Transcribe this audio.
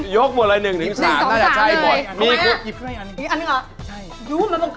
ยกหมดเลย๑๒๓เนี่ย